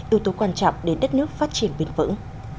ưu tố quan trọng để đất nước phát triển bền vững